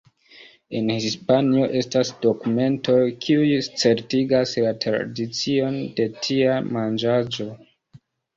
En Hispanio estas dokumentoj kiuj certigas la tradicion de tia manĝaĵo.